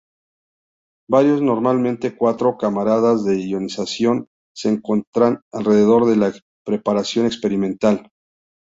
Varios, normalmente cuatro, cámaras de ionización se encuentran alrededor de la preparación experimental.